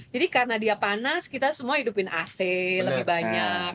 jadi karena dia panas kita semua hidupin ac lebih banyak